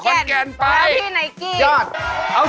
แก่งก็ดึกสินะครับ